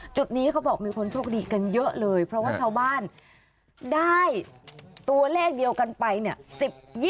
จุดนี้เขาบอกมีคนโชคดีกันเยอะเลยเพราะว่าชาวบ้านได้ตัวเลขเดียวกันไปเนี่ย